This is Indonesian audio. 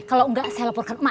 kalau enggak saya laporkan